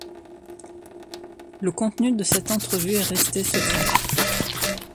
Le contenu de cette entrevue est resté secret.